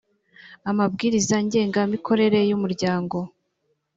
amabwiriza ngengamikorere y’ umuryango